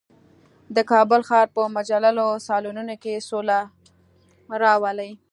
د کابل ښار په مجللو سالونونو کې سوله راولي.